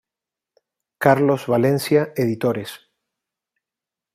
Carlos Valencia editores.